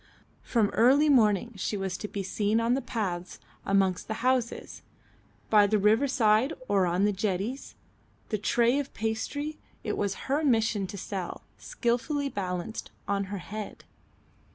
From early morning she was to be seen on the paths amongst the houses by the riverside or on the jetties, the tray of pastry, it was her mission to sell, skilfully balanced on her head.